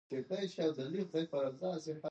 مېلې د ټولنیزي برابرۍ احساس پیاوړی کوي.